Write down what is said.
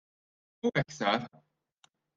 U hekk sar.